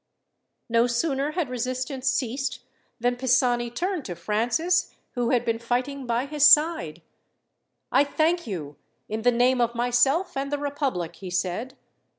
No sooner had resistance ceased than Pisani turned to Francis, who had been fighting by his side: "I thank you, in the name of myself and the republic," he said.